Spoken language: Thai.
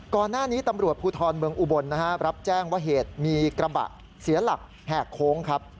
ก่อนหน้านี้ตำรวจภูทรเมืองอุบลรับแจ้งว่าเหตุมีกระบะเสียหลักแหกโค้งครับ